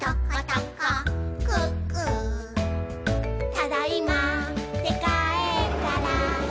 「ただいまーってかえったら」